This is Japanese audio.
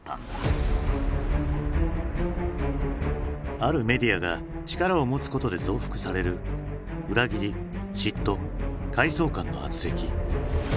あるメディアが力を持つことで増幅される裏切り嫉妬階層間のあつれき。